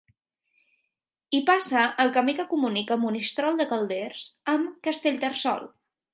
Hi passa el camí que comunica Monistrol de Calders amb Castellterçol.